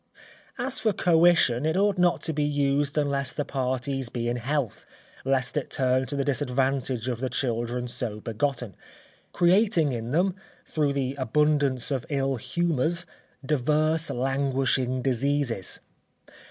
As for coition, it ought not to be used unless the parties be in health, lest it turn to the disadvantage of the children so begotten, creating in them, through the abundance of ill humours, divers languishing diseases.